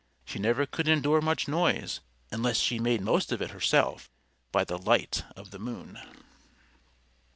She never could endure much noise, unless she made most of it herself by the light Of the moon.